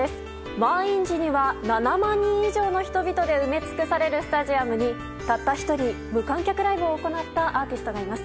満員時には７万人以上の人々で埋め尽くされるスタジアムにたった１人無観客ライブを行ったアーティストがいます。